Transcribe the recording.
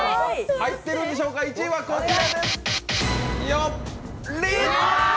入ってるんでしょうか、１位はこちら。